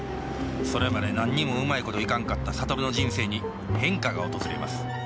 それまで何にもうまいこといかんかった諭の人生に変化が訪れます